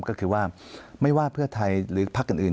ก็คือว่าไม่ว่าเพื่อไทยหรือพักอื่น